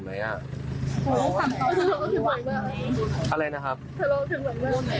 ทะเลาะกันบ่อยใช่ไหม